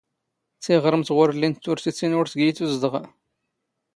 ⵜⵉⵖⵔⵎⵜ ⵖ ⵓⵔ ⵍⵍⵉⵏⵜ ⵜⵓⵔⵜⵉⵜⵉⵏ ⵓⵔ ⵜⴳⵉ ⵉ ⵜⵓⵣⴷⵖⴰ.